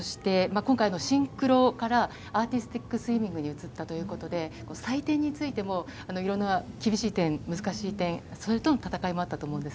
今回、シンクロからアーティスティックスイミングに移ったということで、採点についてもいろんな厳しい点、難しい点、それとの戦いもあったと思います。